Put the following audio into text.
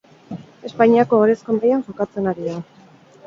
Espainiako Ohorezko mailan jokatzen ari da.